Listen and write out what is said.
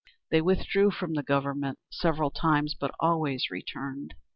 They withdrew from the Government several times, but always returned.